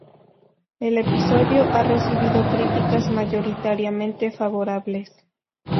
El episodio ha recibido críticas mayoritariamente favorables.